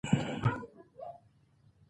د کندهار ښاروالۍ د داوطلبۍ خبرتیا!